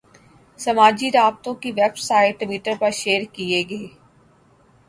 سماجی رابطوں کی ویب سائٹ ٹوئٹر پر شیئر کیے گئے